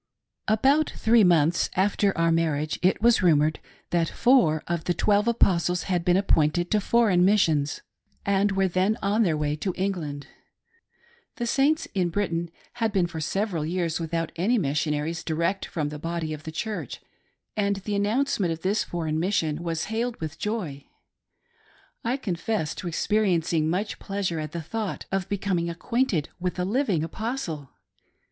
ABOUT three months after our marriage it was rumored that four of the Twelve Apostles had been appointed to foreign missions, and were then on their way to England. The Saints in Britain had been for several years without any missionaries direct from the body of the church, and the announcement of this foreign mission was hailed with joy. I confess to experiencing much pleasure at the thought of becoming acquainted with a living Apostle.